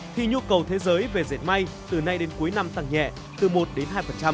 khi nhu cầu thế giới về dệt may từ nay đến cuối năm tăng nhẹ từ một đến hai